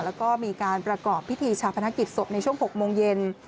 แล้วก็มีการประกอบพิธีชาพนักกิจศพในช่วง๖โมงเย็น